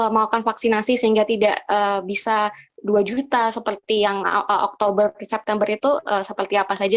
melakukan vaksinasi sehingga tidak bisa dua juta seperti yang oktober september itu seperti apa saja